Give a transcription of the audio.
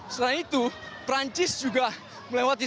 selain itu perancis juga melewati seluruh pertempuran